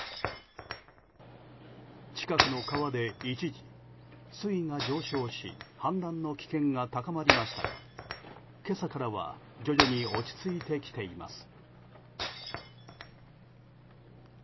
近くの川で一時、水位が上昇し氾濫の危険が高まりましたが今朝からは徐々に落ち着いてきています。